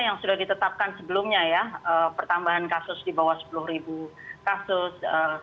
yang sudah ditetapkan sebelumnya ya pertambahan kasus di bawah sepuluh kasus